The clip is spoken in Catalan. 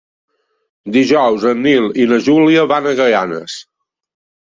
Dijous en Nil i na Júlia van a Gaianes.